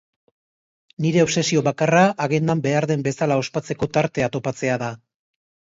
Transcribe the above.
Nire obsesio bakarra agendan behar den bezala ospatzeko tartea topatzea da.